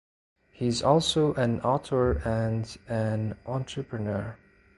He is also an author and an entrepreneur.